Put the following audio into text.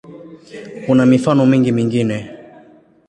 Kuna mifano mingi mingine.